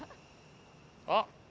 あっ！